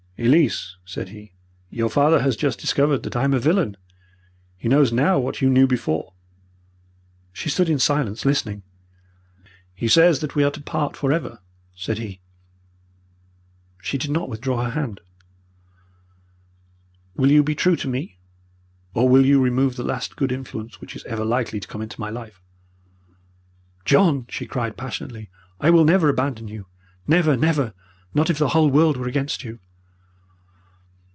"'Elise,' said he, 'your father has just discovered that I am a villain. He knows now what you knew before.' "She stood in silence, listening. "'He says that we are to part for ever,' said he. "She did not withdraw her hand. "'Will you be true to me, or will you remove the last good influence which is ever likely to come into my life?' "'John,' she cried, passionately. 'I will never abandon you! Never, never, not if the whole world were against you.'